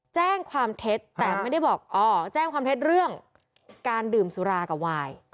แจ้งความเท็จแต่ไม่ได้บอกอ๋อแจ้งความเท็จเรื่องการดื่มสุรากับวาย